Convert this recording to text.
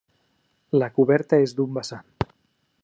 La coberta és d'un vessant.